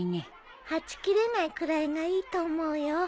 はち切れないくらいがいいと思うよ。